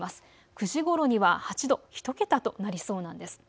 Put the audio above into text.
９時ごろには８度、１桁となりそうなんです。